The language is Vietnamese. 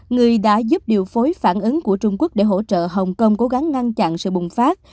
người đã giúp điều phối phản ứng của trung quốc để hỗ trợ hồng kông cố gắng ngăn chặn sự bùng phát